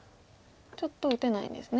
ちょっと打てないんですね。